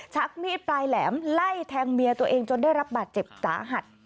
ชักมีดปลายแหลมไล่แทงเมียตัวเองจนได้รับบาดเจ็บสาหัส